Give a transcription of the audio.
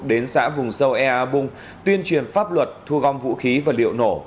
đến xã vùng sâu ea bung tuyên truyền pháp luật thu gom vũ khí và liệu nổ